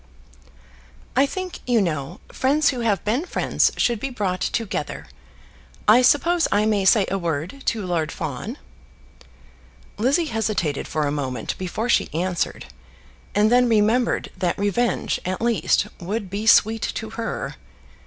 "I think, you know, friends who have been friends should be brought together. I suppose I may say a word to Lord Fawn?" Lizzie hesitated for a moment before she answered, and then remembered that revenge, at least, would be sweet to her.